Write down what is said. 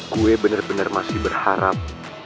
gue bener bener masih berharap